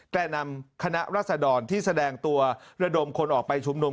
แก่นำคณะรัศดรที่แสดงตัวระดมคนออกไปชุมนุม